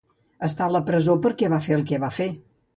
Està a la presó perquè va fer el que va fer.